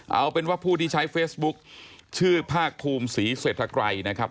เอาเป็นว่าผู้ที่ใช้เฟซบุ๊คชื่อภาคภูมิศรีเศรษฐกรัยนะครับ